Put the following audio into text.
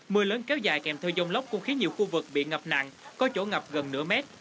mưa lớn kéo dài kèm theo dông lốc cũng khiến nhiều khu vực bị ngập nặng có chỗ ngập gần nửa mét